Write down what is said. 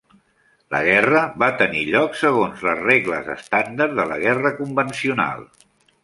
La guerra va tenir lloc segons les regles estàndard de la guerra convencional.